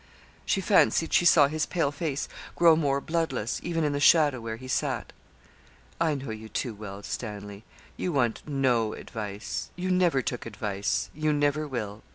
She fancied she saw his pale face grow more bloodless, even in the shadow where he sat. 'I know you too well, Stanley. You want no advice. You never took advice you never will.